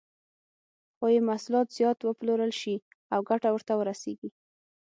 څو یې محصولات زیات وپلورل شي او ګټه ورته ورسېږي.